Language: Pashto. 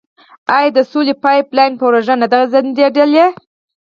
آیا د سولې پایپ لاین پروژه نه ده ځنډیدلې؟